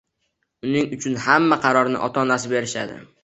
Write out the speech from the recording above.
Uning uchun hamma qarorni ota-onasi berishdi